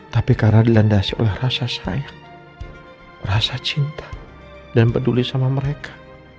tapi karena dilandasi oleh rasa sayang rasa cinta dan peduli sama mereka